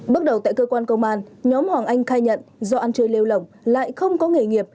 bước đầu tại cơ quan công an nhóm hoàng anh khai nhận do ăn chơi lêu lỏng lại không có nghề nghiệp